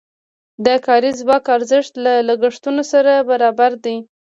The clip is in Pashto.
د کاري ځواک ارزښت له لګښتونو سره برابر دی.